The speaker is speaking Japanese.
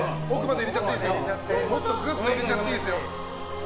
もっとぐっと入れちゃっていいですよ。